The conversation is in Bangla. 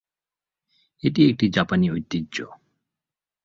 এটি একটি জাপানী ঐতিহ্য।